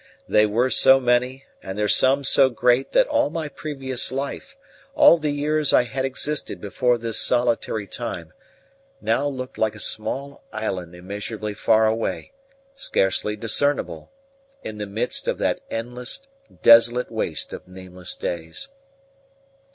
They were so many and their sum so great that all my previous life, all the years I had existed before this solitary time, now looked like a small island immeasurably far away, scarcely discernible, in the midst of that endless desolate waste of nameless days.